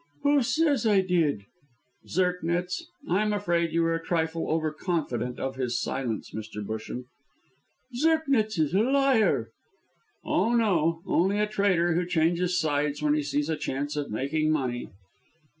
"Who says I did?" "Zirknitz. I am afraid you were a trifle overconfident of his silence, Mr. Busham." "Zirknitz is a liar!" "Oh, no, only a traitor who changes sides when he sees a chance of making money."